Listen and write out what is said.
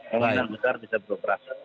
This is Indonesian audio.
kemungkinan besar bisa beroperasi